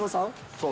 そう。